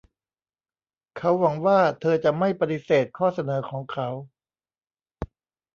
เขาหวังว่าเธอจะไม่ปฏิเสธข้อเสนอของเขา